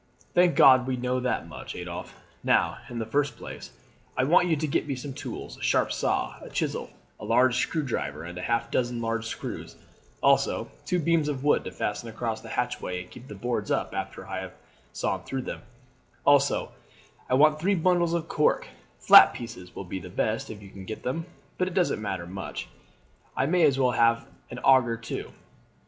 "Thank God we know that much, Adolphe! Now, in the first place, I want you to get me some tools a sharp saw, a chisel, a large screw driver, and half a dozen large screws; also, two beams of wood to fasten across the hatchway and keep the boards up after I have sawn through them; also, I want three bundles of cork flat pieces will be the best if you can get them, but that doesn't matter much. I may as well have an auger too.